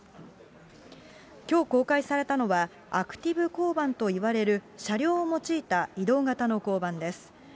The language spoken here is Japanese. きょう公開されたのは、アクティブ交番といわれる車両を用いた移動型の交番です。